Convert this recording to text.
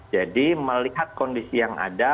jadi melihat kondisi yang ada